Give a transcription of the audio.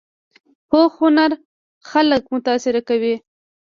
پوخ هنر خلک متاثره کوي